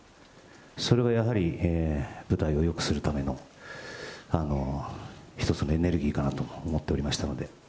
それはやはり舞台をよくするための一つのエネルギーかなと思っておりましたので。